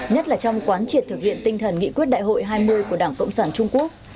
nhất là trong quán triệt thực hiện tinh thần nghị quyết đại hội hai mươi của đảng cộng sản trung quốc